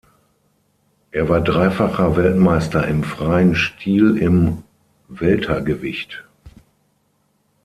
Er war dreifacher Weltmeister im freien Stil im Weltergewicht.